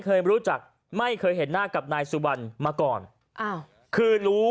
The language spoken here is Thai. เคยรู้จักไม่เคยเห็นหน้ากับนายสุบันมาก่อนอ้าวคือรู้